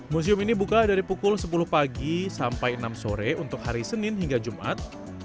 museum ini buka dari pukul sepuluh pagi sampai enam sore untuk hari senin hingga jumat